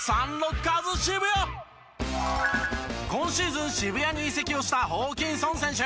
今シーズン渋谷に移籍をしたホーキンソン選手。